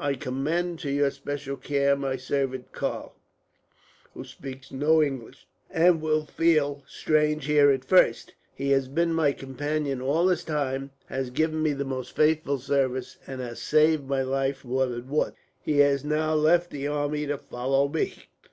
I commend to your special care my servant Karl, who speaks no English, and will feel strange here at first. He has been my companion all this time, has given me most faithful service, and has saved my life more than once. He has now left the army to follow me."